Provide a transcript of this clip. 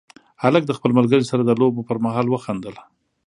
هلک د خپل ملګري سره د لوبو پر مهال وخندل.